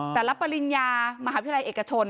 แต่ละปริญญามหาวิทยาลัยเอกชน